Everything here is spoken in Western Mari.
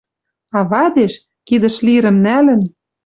А вадеш, кидӹш лирӹм нӓлӹн